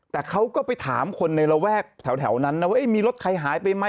แต่เขาก็ไปถามคนในระแวกแถวนั้นนะว่ามีรถใครหายไปไหม